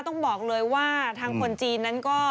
ต้องบอกเลยว่าทางคนจีนนั้นก็